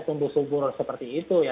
tumbuh subur seperti itu ya